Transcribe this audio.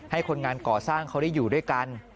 คนงานก่อสร้างเขาได้อยู่ด้วยกัน